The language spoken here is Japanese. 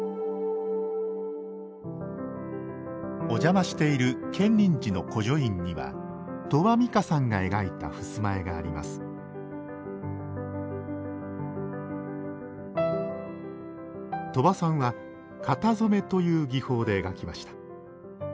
お邪魔している建仁寺の小書院には鳥羽美花さんが描いた襖絵があります鳥羽さんは型染めという技法で描きました。